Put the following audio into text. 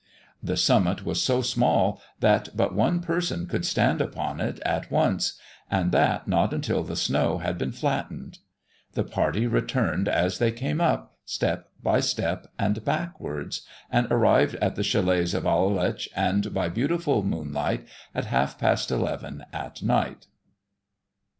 The summit was so small that but one person could stand upon it at once, and that not until the snow had been flattened. The party returned as they came up, step by step, and backwards, and arrived at the chalets of Aletsch, and by beautiful moonlight, at half past eleven at night.